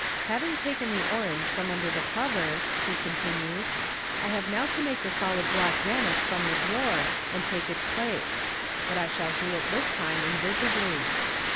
" Having taken the orange from under the cover," he continues, " I have now to make the solid block vanish from the drawer, and take its place ; but I shall do it this time invisibly.